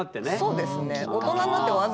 そうですね。